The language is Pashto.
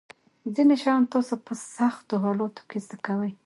ځینې شیان تاسو په سختو حالاتو کې زده کوئ.